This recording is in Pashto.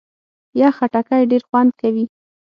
یخ خټکی ډېر خوند کوي.